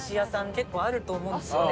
結構あると思うんですよね。